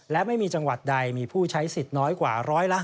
และไม่มีจังหวัดใดมีผู้ใช้สิทธิ์น้อยกว่า๑๕